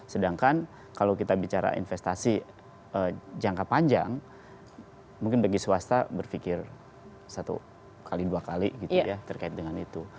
sedangkan kalau kita bicara investasi jangka panjang mungkin bagi swasta berpikir satu x dua kali gitu ya terkait dengan itu